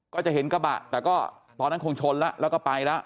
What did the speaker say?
ค่ะจะเห็นก็บาปแต่ก็ตอนนั้นคงชนแล้วก็ไปละ